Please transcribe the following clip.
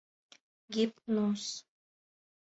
— Гипноз!